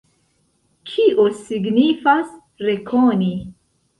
Kio signifas rekoni?